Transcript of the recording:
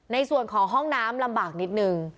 ในส่วนของห้องน้ำลำบากนิดนึง